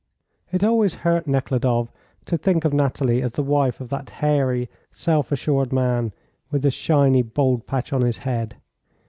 It always hurt Nekhludoff to think of Nathalie as the wife of that hairy, self assured man with the shiny, bald patch on his head.